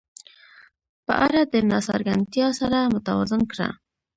په اړه د ناڅرګندتیا سره متوازن کړه.